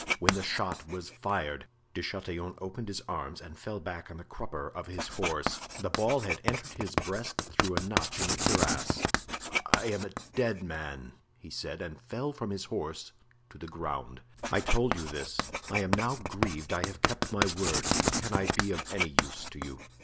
when the shot was fired. De Chatillon opened his arms and fell back on the crupper of his horse. The ball had entered his breast through a notch in the cuirass. "I am a dead man," he said, and fell from his horse to the ground. "I told you this, I am now grieved I have kept my word. Can I be of any use to you?"